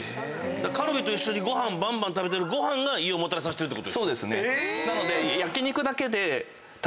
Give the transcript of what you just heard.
カルビと一緒にバンバン食べてるご飯が胃をもたれさせてる⁉なので。